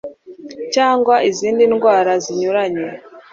cyangwa izindi ndwara zinyuranye